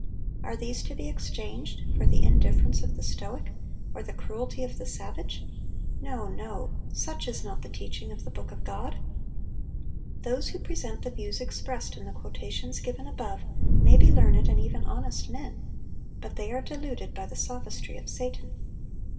Are these to be exchanged for the indifference of the stoic, or the cruelty of the savage? No, no; such is not the teaching of the Book of God. Those who present the views expressed in the quotations given above may be learned and even honest men; but they are deluded by the sophistry of Satan.